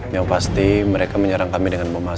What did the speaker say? yang pasti mereka menyerang kami dengan bom asap